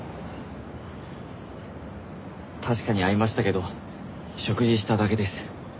確かに会いましたけど食事しただけです。